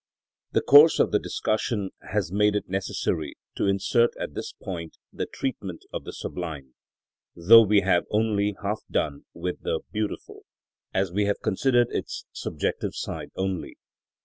§ 41. The course of the discussion has made it necessary to insert at this point the treatment of the sublime, though we have only half done with the beautiful, as we have considered its subjective side only.